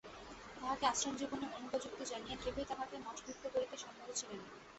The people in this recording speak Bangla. তাহাকে আশ্রম-জীবনের অনুপযুক্ত জানিয়া কেহই তাহাকে মঠভুক্ত করিতে সম্মত ছিলেন না।